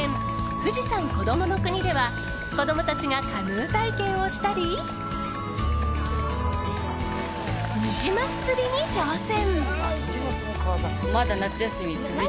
富士山こどもの国では子供たちがカヌー体験をしたりニジマス釣りに挑戦。